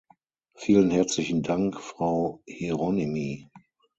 Vielen herzlichen Dank, Frau Hieronymi!